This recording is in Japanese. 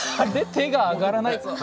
手があがらないぞ。